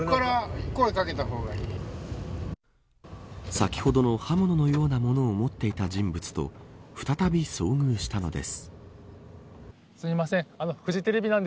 先ほどの刃物のようなものを持っていた人物と再び遭遇したのです。